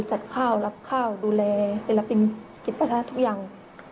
จัดข้าวรับข้าวดูแลศิลปินกิจประทะทุกอย่าง